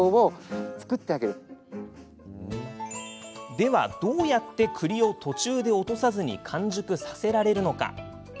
ではどうやって、くりを途中で落とさずに完熟させられるのか。